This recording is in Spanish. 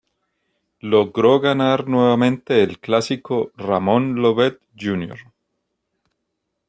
Logró ganar nuevamente el Clásico Ramón Llobet Jr.